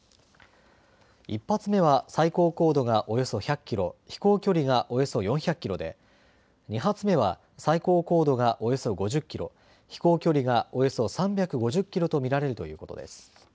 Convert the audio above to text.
１発目は最高高度がおよそ１００キロ、飛行距離がおよそ４００キロで２発目は最高高度がおよそ５０キロ、飛行距離がおよそ３５０キロと見られるということです。